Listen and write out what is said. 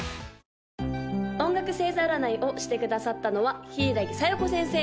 ・音楽星座占いをしてくださったのは柊小夜子先生！